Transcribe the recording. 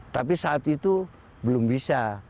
tapi saat itu belum bisa